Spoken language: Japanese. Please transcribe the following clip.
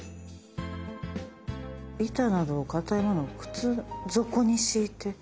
「板などの硬い物を靴底に敷いて」。